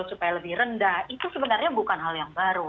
supaya lebih rendah itu sebenarnya bukan hal yang baru